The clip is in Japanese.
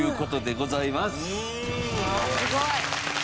すごい。